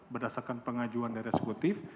berdasarkan pengajuan dari sekutif